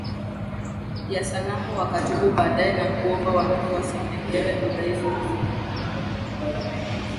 ya sanamu wakatubu baadaye na kuomba wasamehewe udhaifu huo